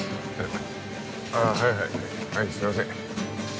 ああはいはいすいません